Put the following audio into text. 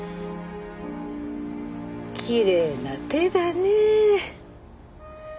きれいな手だねぇ。